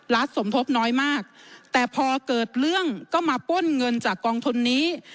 สมทบน้อยมากแต่พอเกิดเรื่องก็มาป้นเงินจากกองทุนนี้